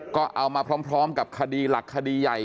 ก็เอามาพร้อมกับคดีหลักคดีใหญ่